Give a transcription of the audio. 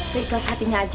berikut hatinya aja